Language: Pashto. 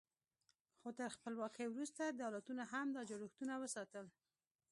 خو تر خپلواکۍ وروسته دولتونو هم دا جوړښتونه وساتل.